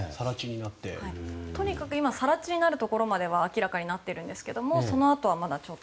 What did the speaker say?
とにかく今更地になるところまでは明らかになっているんですがそのあとはちょっと。